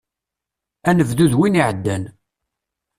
Anebdu d win iɛeddan.